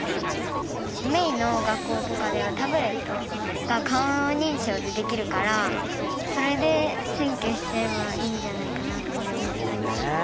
萌衣の学校とかではタブレットが顔認証でできるからそれで選挙しちゃえばいいんじゃないかなって思った。